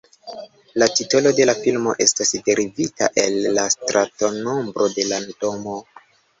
La titolo de la filmo estas derivita el la stratonombro de la domo.